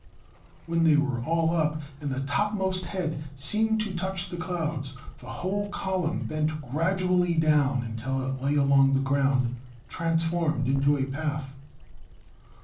When they were all up, and the topmost head seemed to touch the clouds, the whole column bent gradually down until it lay along the ground transformed into a path.